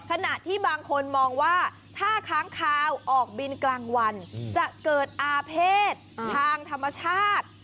ขณะที่บางคนมองว่าถ้าค้างคาวออกบินกลางวันจะเกิดอาเภษทางธรรมชาติ